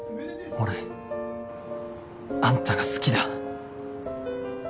俺あんたが好きだ